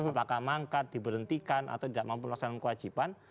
apakah mangkat diberhentikan atau tidak mampu melaksanakan kewajiban